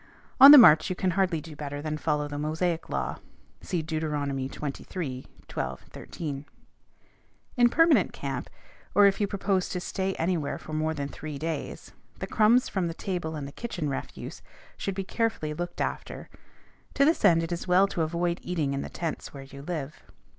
On the march you can hardly do better than follow the Mosaic law (see Deuteronomy xxiii. 12, 13). In permanent camp, or if you propose to stay anywhere more than three days, the crumbs from the table and the kitchen refuse should be carefully looked after: to this end it is well to avoid eating in the tents where you live.